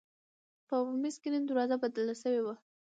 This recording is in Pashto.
په عمومي سکرین دروازه بدله شوې وه.